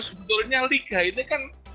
sebetulnya liga ini kan